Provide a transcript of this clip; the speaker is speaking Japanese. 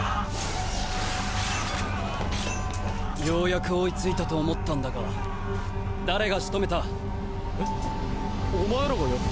ようやく追いついたと思ったんだが誰が仕留めた？